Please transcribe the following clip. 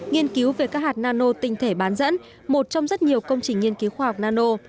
nghiên cứu về các hạt nano tinh thể bán dẫn một trong rất nhiều công trình nghiên cứu khoa học nano